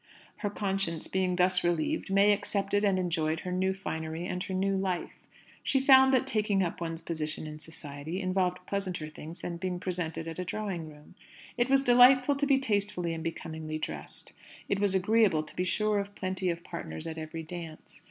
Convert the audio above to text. Her conscience being thus relieved, May accepted and enjoyed her new finery and her new life. She found that "taking up one's position in society" involved pleasanter things than being presented at a Drawing room. It was delightful to be tastefully and becomingly dressed. It was agreeable to be sure of plenty of partners at every dance.